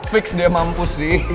fix deh mampus sih